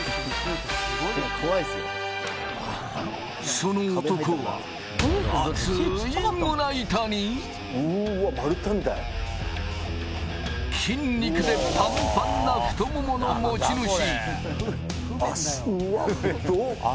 その男は厚い胸板に、筋肉でパンパンな太ももの持ち主。